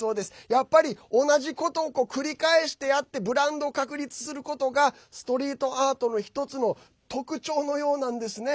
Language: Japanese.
やっぱり、同じことを繰り返してやってブランドを確立することがストリートアートの１つの特徴のようなんですね。